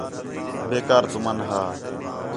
بے کار تُمن ہا